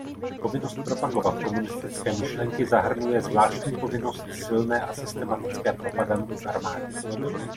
Povinnost propagovat komunistické myšlenky zahrnuje zvláštní povinnost silné a systematické propagandy v armádě.